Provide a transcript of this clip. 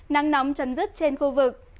nắng nóng chấn dứt trên khu vực